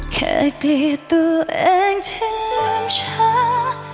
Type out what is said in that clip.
แค่กลีตัวเองที่ลืมช้า